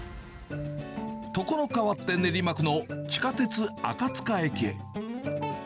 ところかわって練馬区の地下鉄赤塚駅へ。